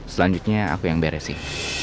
selanjutnya aku yang beresin